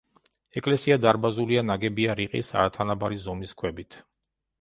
ეკლესია დარბაზულია ნაგებია რიყის, არათანაბარი ზომის ქვებით.